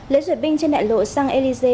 lễ duyệt binh trên đại lộ sang elysee